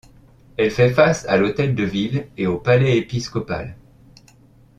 Elle fait face à l'hôtel de ville et au palais épiscopal.